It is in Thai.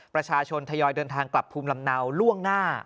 ประชาชนทยอยเดินทางกลับภูมิลำเนาล่วงหน้า